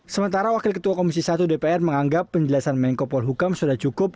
sementara wakil ketua komisi satu dpr menganggap penjelasan menko polhukam sudah cukup